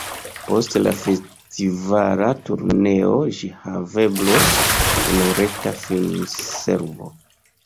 Post la festivala turneo ĝi haveblos en reta filmservo.